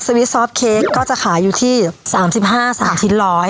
ซวิทซอฟต์เค้กก็จะขายอยู่ที่๓๕๓๐ชิ้นร้อย